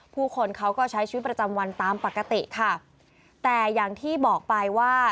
ผู้คนเขาก็ใช้ชีวิตประจำวันตามปกติค่ะแต่อย่างที่บอกไปว่า